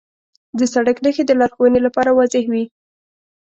د سړک نښې د لارښوونې لپاره واضح وي.